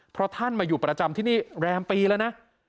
เพราะท่านมาอยู่ประจำที่นี่แรมปีแล้วนะ